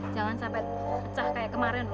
jangan sampai pecah kayak kemarin